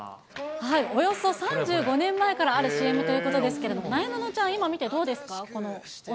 およそ３５年前からあるＣＭということですけれども、なえなのちゃん、今見てどうですか？